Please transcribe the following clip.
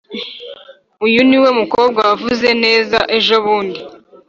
] uyu niwe mukobwa wavuze neza ejobundi?